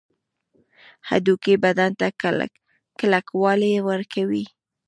هډوکي بدن ته کلکوالی ورکوي